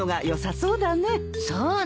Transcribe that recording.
そうね。